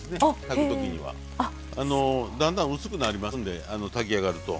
炊く時には。だんだん薄くなりますんで炊き上がると。